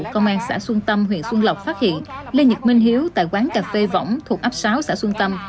công an xã xuân tâm huyện xuân lộc phát hiện lê nhật minh hiếu tại quán cà phê võng thuộc ấp sáu xã xuân tâm